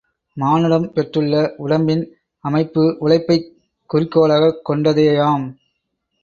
மானுடம் பெற்றுள்ள உடம்பின் அமைப்பு உழைப்பைக் குறிக்கோளாகக் கொண்டதேயாம்.